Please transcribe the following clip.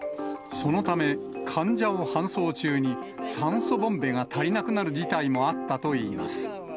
そのため、患者を搬送中に酸素ボンベが足りなくなる事態もあったといいます。